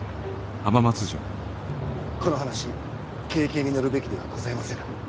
この話軽々に乗るべきではございませぬ。